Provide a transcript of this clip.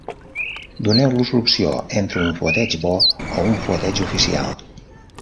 Doneu-los l'opció entre un fueteig bo o un fueteig oficial.